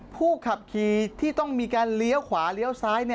ผู้ขับขี่ที่ต้องมีการเลี้ยวขวาเลี้ยวซ้าย